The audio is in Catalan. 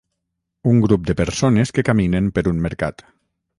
Un grup de persones que caminen per un mercat.